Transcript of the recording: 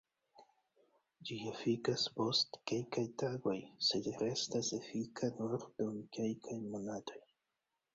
Ĝi efikas post kelkaj tagoj sed restas efika nur dum kelkaj monatoj.